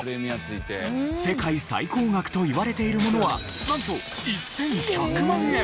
世界最高額といわれているものはなんと１１００万円！